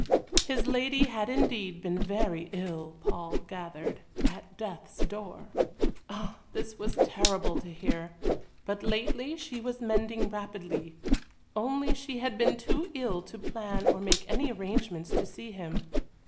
His lady had indeed been very ill, Paul gathered at death's door. Ah! this was terrible to hear but lately she was mending rapidly, only she had been too ill to plan or make any arrangements to see him.